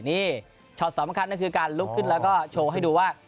นี่ช็อตสำคัญก็คือการลุกขึ้นแล้วก็โชว์ให้ดูว่า